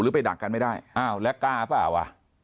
หรือไปดักกันไม่ได้แล้วกาหรือเปล่า